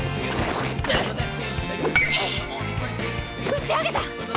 打ち上げた。